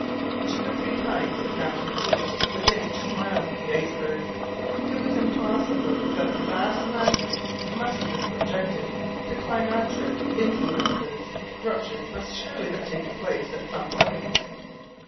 Two or three times the captain approached within two miles of the icebergs. It was impossible but that the vast mass must have been subjected to climateric influences; ruptures must surely have taken place at some points.